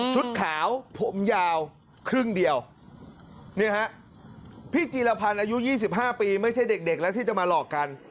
ขาวผมยาวครึ่งเดียวเนี่ยฮะพี่จีรพันธ์อายุ๒๕ปีไม่ใช่เด็กแล้วที่จะมาหลอกกัน